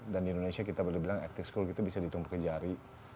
dan di indonesia kita boleh bilang acting school itu bisa ditumpuk ke jari